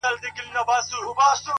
• دلته چا په ویښه نه دی ازمېیلی ,